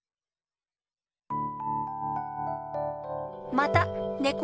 またねこ